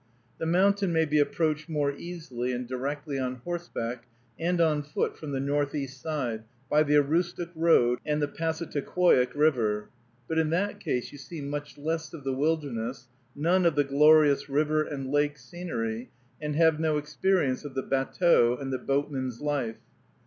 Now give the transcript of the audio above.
The mountain may be approached more easily and directly on horseback and on foot from the northeast side, by the Aroostook road, and the Wassataquoik River; but in that case you see much less of the wilderness, none of the glorious river and lake scenery, and have no experience of the batteau and the boatman's life.